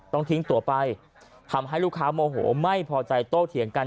ต้องทิ้งตัวไปทำให้ลูกค้าโมโหไม่พอใจโต้เถียงกัน